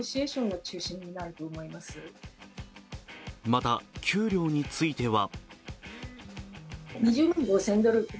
また、給料については？